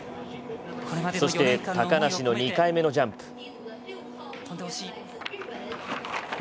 そして高梨の２回目のジャンプ。